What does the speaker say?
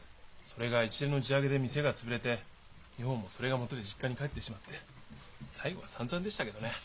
それが一連の地上げで店が潰れて女房もそれがもとで実家に帰ってしまって最後はさんざんでしたけどね。